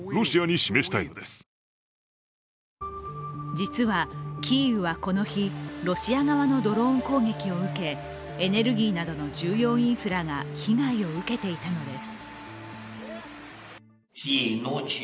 実はキーウはこの日、ロシア側のドローン攻撃を受けエネルギーなどの重要インフラが被害を受けていたのです。